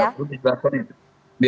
saya tidak pernah mendapatkan penjelasan itu